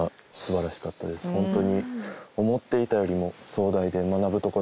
ホントに。